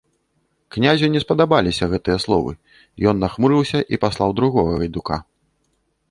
Князю не спадабаліся гэтыя словы, ён нахмурыўся і паслаў другога гайдука.